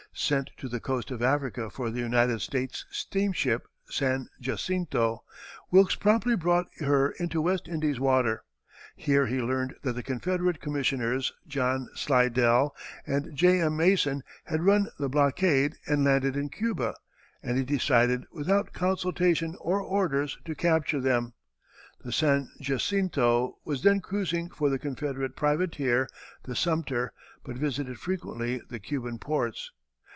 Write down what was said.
Sent to the coast of Africa for the United States steamship San Jacinto, Wilkes promptly brought her into West Indies waters. Here he learned that the Confederate Commissioners, John Slidell and J. M. Mason, had run the blockade and landed in Cuba, and he decided, without consultation or orders, to capture them. The San Jacinto was then cruising for the Confederate privateer, the Sumter, but visited frequently the Cuban ports.